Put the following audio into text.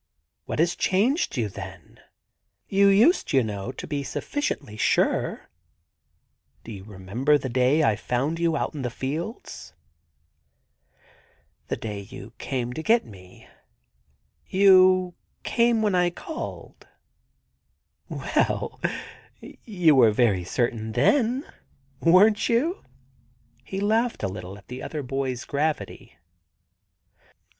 * What has changed you, then ? You used, you know, to be sufficiently sure. ... Do you remember the day I found you out in the fields ?' *The day you came to me? ... You came when I called.' * Well, you were very certain then, weren't you ?' He laughed a little at the other boy's gravity.